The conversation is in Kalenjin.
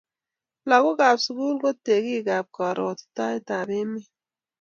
Lakokap sukul ko tekikap karuotitoetap emet